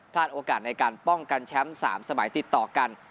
โอกาสในการป้องกันแชมป์๓สมัยติดต่อกัน